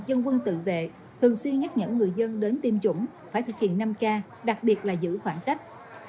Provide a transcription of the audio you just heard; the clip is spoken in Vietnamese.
dân quân tự vệ thường xuyên nhắc nhở người dân đến tiêm chủng phải thực hiện năm k đặc biệt là giữ khoảng cách